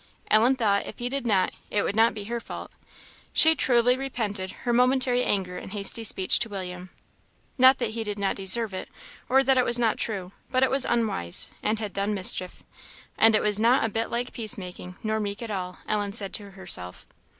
Ellen thought, if he did not, it would not be her fault. She truly repented her momentary anger and hasty speech to William. Not that he did not deserve it, or that it was not true; but it was unwise, and had done mischief; and "it was not a bit like peace making, nor meek at all," Ellen said to herself.